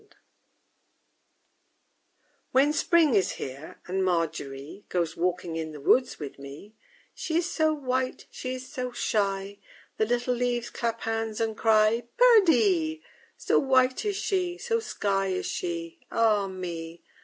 _ I When Spring is here and MARGERY Goes walking in the woods with me, She is so white, she is so shy, The little leaves clap hands and cry _Perdie! So white is she, so sky is she, Ah me!